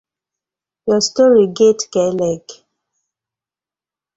Your story get k-leg!